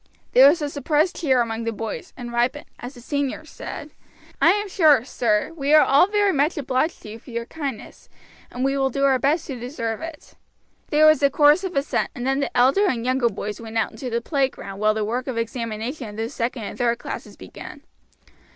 There was a suppressed cheer among the boys and Ripon, as the senior, said: "I am sure, sir, we are all very much obliged to you for your kindness, and we will do our best to deserve it." There was a chorus of assent, and then the elder and younger boys went out into the playground while the work of examination of the second and third classes began.